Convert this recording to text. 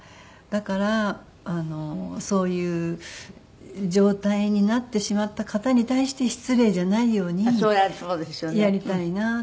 だからそういう状態になってしまった方に対して失礼じゃないようにやりたいなと思ってはい。